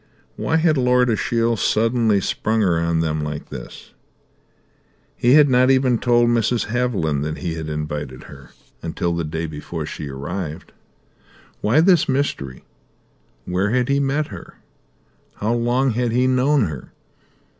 Why had Lord Ashiel suddenly sprung her on them like this? He had not even told Mrs. Haviland that he had invited her until the day before she arrived. Why this mystery? Where had he met her? How long had he known her?